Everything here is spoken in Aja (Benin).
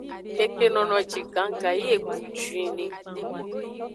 Keke nono eji gannggan yi egbu juinni.